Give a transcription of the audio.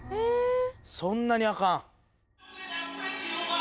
そんなにあかん？